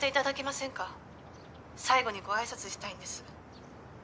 最後にご挨拶したいんです。